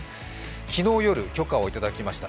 昨日夜、許可をいただきました。